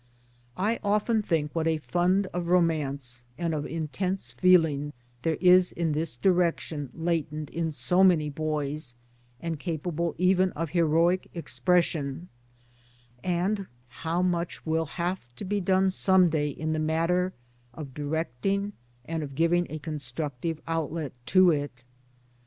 I often think what a fund of romance, and of intense feeling, there is in this direction latent in so many boys and capable even of heroic expression and how much will have to be done some day in the matter of directing and giving a constructive outlet to it.